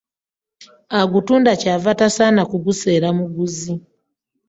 Agutunda kyava tasaana ku guseera muguzi .